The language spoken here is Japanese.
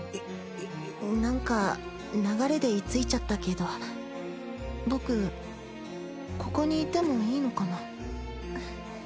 何か流れでいついちゃったけど僕ここにいてもいいのかな？